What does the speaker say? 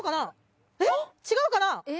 違うかな？